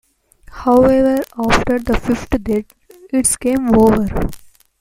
However, after the fifth death, it's game over.